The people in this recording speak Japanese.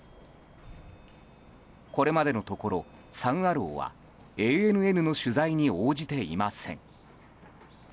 これまでのところサン・アローはＡＮＮの取材に応じていません。